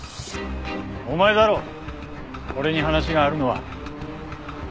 お前だろ俺に話があるのは。